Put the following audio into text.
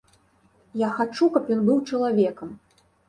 Я хачу, каб ён быў чалавекам.